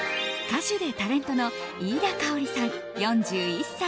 歌手でタレントの飯田圭織さん、４１歳。